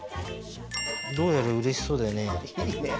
どうやらうれしそうだね。